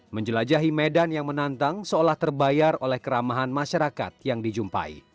menjelajahi medan yang menantang seolah terbayar oleh keramahan masyarakat yang dijumpai